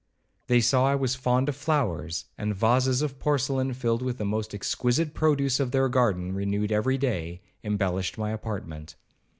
They saw I was fond of flowers, and vases of porcelain, filled with the most exquisite produce of their garden, (renewed every day), embellished my apartment.